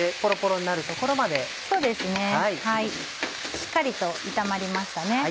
そうですねしっかりと炒まりましたね。